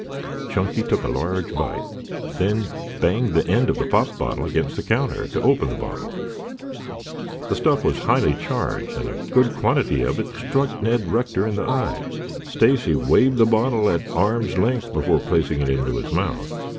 Chunky took a large bite, then banged the end of the pop bottle against the counter to open the bottle. The stuff was highly charged, and a good quantity of it struck Ned Rector in the eye. Stacy waved the bottle at arm's length before placing it to his mouth.